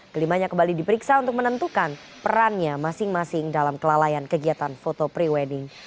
kelimanya kembali diperiksa untuk menentukan perannya masing masing dalam kelalaian kegiatan foto pre wedding